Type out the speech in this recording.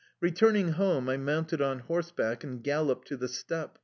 Returning home, I mounted on horseback and galloped to the steppe.